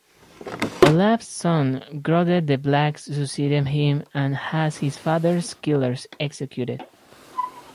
Olave's son Godred the Black succeeded him and had his father's killers executed.